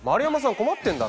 困ってんだろ。